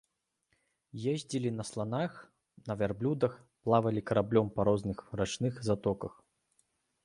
Ездзілі на сланах, на вярблюдах, плавалі караблём па розных рачных затоках.